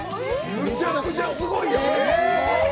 むちゃくちゃすごいやん！